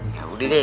ya udah deh